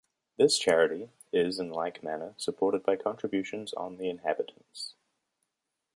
This charity is in like manner supported by contributions on the inhabitants.